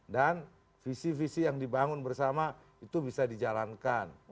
dan visi visi yang dibangun bersama itu bisa dijalankan